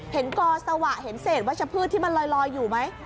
กอสวะเห็นเศษวัชพืชที่มันลอยอยู่ไหม